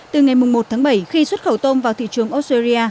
từ ngày một tháng bảy khi xuất khẩu tôm vào thị trường australia